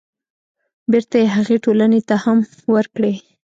بېرته يې هغې ټولنې ته هم ورکړي.